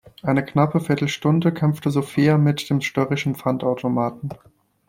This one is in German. Eine knappe Viertelstunde kämpfte Sophia mit dem störrischen Pfandautomaten.